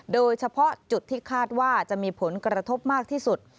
โดยเฉพาะจุดที่คาดว่าจะมีผลกระทบมากที่สุด